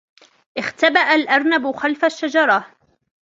اختبأ الأرنب خلف الشجرة.